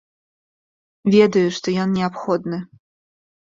Ведаю, што ён неабходны.